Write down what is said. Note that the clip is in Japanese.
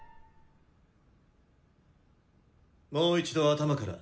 もう一度頭から。